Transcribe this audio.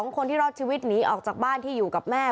คนที่รอดชีวิตหนีออกจากบ้านที่อยู่กับแม่